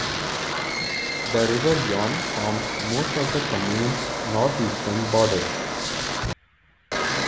The river Yon forms most of the commune's north-eastern border.